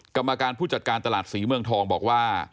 กรรมการผู้จัดการตลาดศรีเมืองทองบอกว่า